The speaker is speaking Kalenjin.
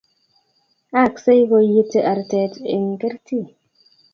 akse koiyiti arte eng' kerti